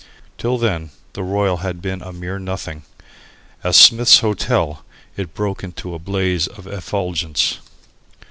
Till then the Royal had been a mere nothing. As "Smith's Hotel" it broke into a blaze of effulgence.